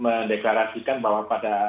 mendeklarasikan bahwa pada